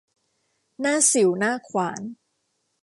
หน้าสิ่วหน้าขวาน